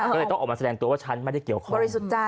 ก็เลยต้องออกมาแสดงตัวว่าฉันไม่ได้เกี่ยวของ